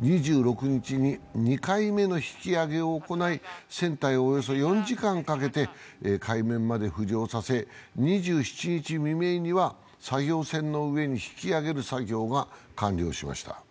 ２６日に２回目の引き揚げを行い、船体をおよそ４時間かけて海面まで浮上させ、２７日未明には、作業船の上に引き揚げる作業が完了しました。